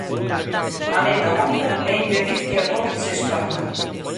A meta, Mónica, é impedir que a covid se expanda...